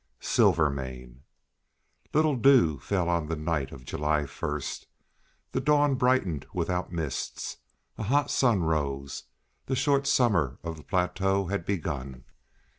SILVERMANE LITTLE dew fell on the night of July first; the dawn brightened without mists; a hot sun rose; the short summer of the plateau had begun.